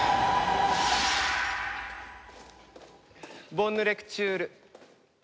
ボンヌ・レクチュール。